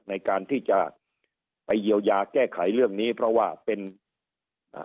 ในการที่จะไปเยียวยาแก้ไขเรื่องนี้เพราะว่าเป็นอ่า